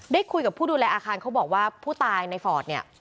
ได้คุยกับผู้ดูแลอาคารเขาบอกว่าผู้ตายในฟอร์ดเนี่ย